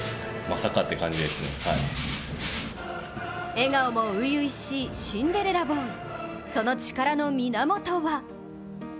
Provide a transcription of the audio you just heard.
笑顔も初々しいシンデレラボーイ、その力の源は？